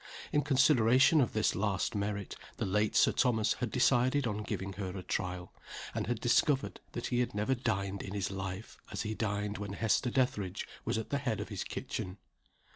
In consideration of this last merit, the late Sir Thomas had decided on giving her a trial, and had discovered that he had never dined in his life as he dined when Hester Dethridge was at the head of his kitchen.